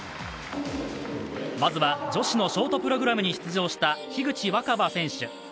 まずは女子のショートプログラムに出場した樋口新葉選手。